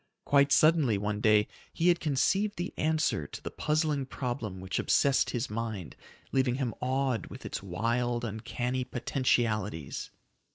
Quite suddenly one day he had conceived the answer to the puzzling problem which obsessed his mind, leaving him awed with its wild, uncanny potentialities.